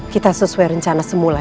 kita sesuai rencana semula